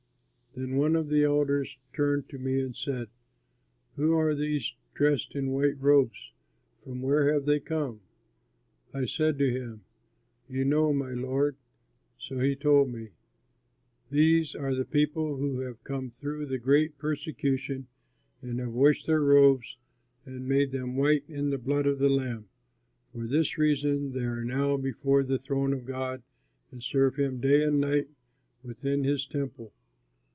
Then one of the elders turned to me and said: "Who are these dressed in white robes, and from where have they come?" I said to him, "You know, my lord." So he told me, "These are the people who have come through the great persecution and have washed their robes and made them white in the blood of the Lamb. For this reason they are now before the throne of God and serve him day and night within his temple.